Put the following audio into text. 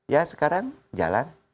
ya sekarang jalan